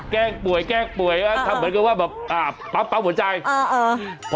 แกล้งป่วยแกล้งป่วยแล้วทำเหมือนกับว่าแบบอ่าปั๊บปั๊บหัวใจเออเออ